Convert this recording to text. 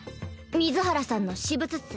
水原さんの私物っス。